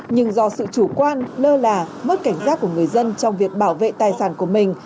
nhưng do sự chủ quan lơ là mất cảnh giác của người dân trong việc bảo vệ tài sản của mình